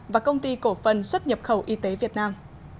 và công ty cổ phần xuất nhập khẩu y tế việt nam